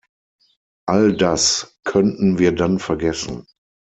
All das könnten wir dann vergessen.